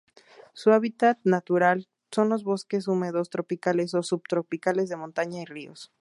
Su hábitat natural son los bosques húmedos tropicales o subtropicales de montaña y ríos.